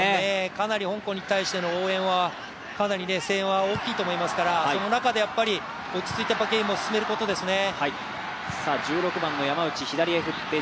かなり香港に対しての応援は声援は大きいと思いますから、その中で落ち着いてゲームを進めることですね。